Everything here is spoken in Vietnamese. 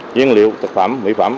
nguyên liệu thực phẩm mỹ phẩm